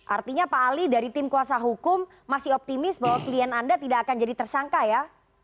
artinya pak ali dari tim kuasa hukum masih optimis bahwa klien anda tidak akan jadi tersangka ya